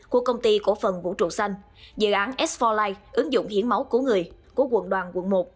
của công ty cổ phần vũ trụ xanh dự án s bốn lite ứng dụng hiển máu của người của quận đoàn quận một